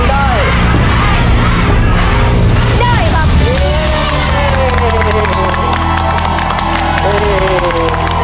ได้ครับ